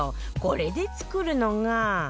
これで作るのが